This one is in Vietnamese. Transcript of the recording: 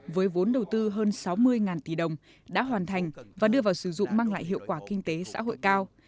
với vốn đầu tư hơn sáu mươi tỷ đồng đã hoàn thành và đưa vào sử dụng mang lại hiệu quả kinh tế xã hội cao